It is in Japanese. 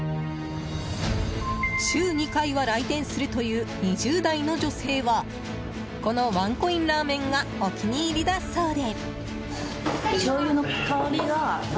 週２回は来店するという２０代の女性はこのワンコインラーメンがお気に入りだそうで。